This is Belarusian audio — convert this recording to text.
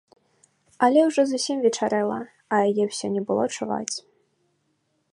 Але ўжо зусім вечарэла, а яе ўсё не было чуваць.